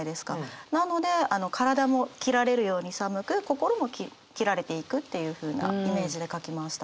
なので体も切られるように寒く心も切られていくっていうふうなイメージで書きました。